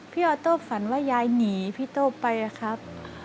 ออโต้ฝันว่ายายหนีพี่โต้ไปครับ